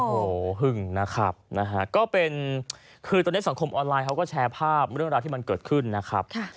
โอ้โหหึงนะครับนะฮะก็เป็นคือตอนนี้สังคมออนไลน์เขาก็แชร์ภาพเรื่องราวที่มันเกิดขึ้นนะครับ